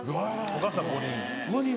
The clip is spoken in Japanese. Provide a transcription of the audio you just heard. お母さん５人。